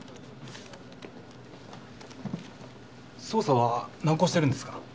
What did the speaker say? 捜査は難航してるんですか？